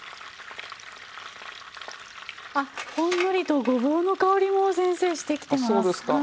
あっほんのりとごぼうの香りも先生してきてます。